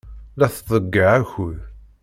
La tettḍeyyiɛ akud.